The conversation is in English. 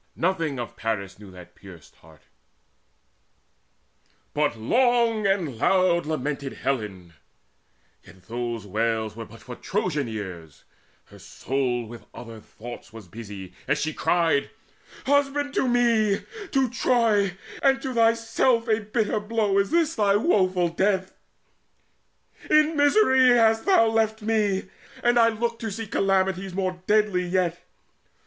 Nothing of Paris knew that pierced heart; But long and loud lamented Helen; yet Those wails were but for Trojan ears; her soul With other thoughts was busy, as she cried: "Husband, to me, to Troy, and to thyself A bitter blow is this thy woeful death! In misery hast thou left me, and I look To see calamities more deadly yet.